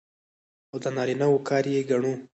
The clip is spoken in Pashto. او د نارينه وو کار يې ګڼو.